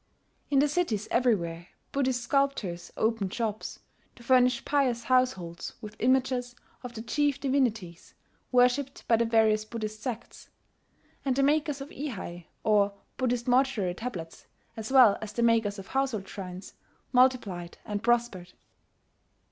In the cities everywhere Buddhist sculptors opened shops, to furnish pious households with images of the chief divinities worshipped by the various Buddhist sects; and the makers of ihai, or Buddhist mortuary tablets, as well as the makers of household shrines, multiplied and prospered.